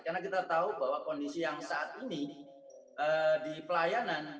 karena kita tahu bahwa kondisi yang saat ini di pelayanan